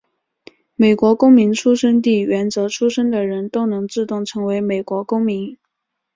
美国公民出生地原则出生的人都能自动成为美国公民。